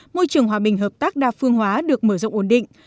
môi trường hòa bình hợp tác đa phương hóa được mở rộng ổn định